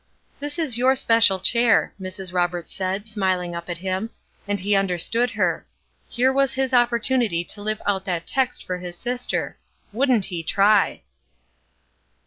"This is your special chair," Mrs. Roberts said, smiling up at him; and he understood her, here was his opportunity to live out that text for his sister. Wouldn't he try!